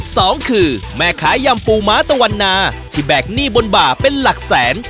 สองคือแม่ค้ายำปูม้าตะวันนาที่แบกหนี้บนบ่าเป็นหลักแสน